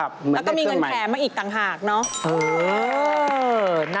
แล้วก็มีเงินแถมมาอีกต่างหากเนอะ